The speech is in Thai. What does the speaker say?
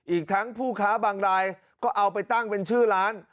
อีกทั้งผู้ค้าบางรายก็เอาไปตั้งเป็นชื่อร้าน